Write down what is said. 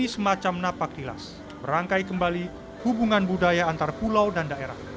ini semacam napak tilas